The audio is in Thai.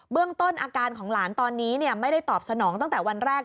เรื่องต้นอาการของหลานตอนนี้ไม่ได้ตอบสนองตั้งแต่วันแรก